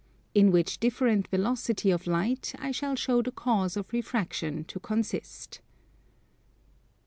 In which different velocity of light I shall show the cause of refraction to consist.